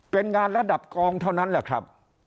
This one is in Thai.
เป็นงานระดับกองเท่านั้นแหละครับ